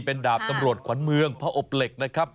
เป็นดาบตำรวจขวัญเมืองพระอบเหล็กนะครับ